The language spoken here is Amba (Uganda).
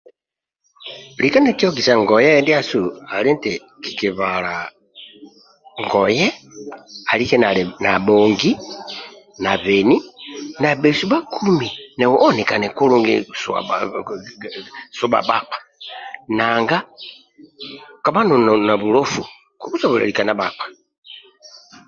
Lika nikikiogisa ndiasu ali nti kikibala ngoye alike nali nabhongi nabeni nabhesu oenikane kulungi subha bhakpa nanga kabha noli na bulofu kokusobola lika na bhakpa